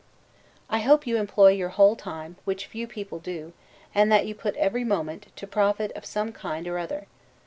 I hope you employ your whole time, which few people do; and that you put every moment to, profit of some kind or other.